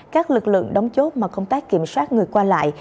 các lực lượng đóng chốt mà công tác kiểm soát người qua lại